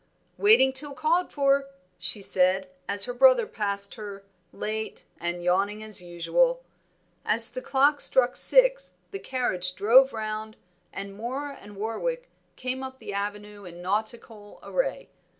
"Waiting till called for," she said, as her brother passed her, late and yawning as usual. As the clock struck six the carriage drove round, and Moor and Warwick came up the avenue in nautical array.